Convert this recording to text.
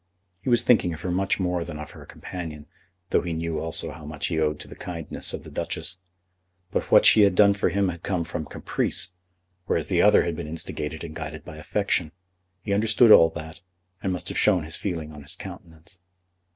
He was thinking of her much more than of her companion, though he knew also how much he owed to the kindness of the Duchess. But what she had done for him had come from caprice, whereas the other had been instigated and guided by affection. He understood all that, and must have shown his feeling on his countenance.